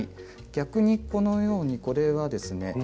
逆にこのようにこれはですね